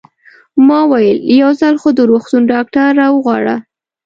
ما وویل: یو ځل خو د روغتون ډاکټر را وغواړه.